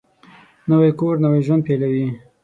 نوی کور نوی ژوند پېلوي